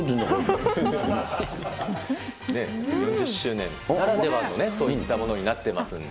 ねぇ、４０周年ならではのね、そういったものになっていますんで。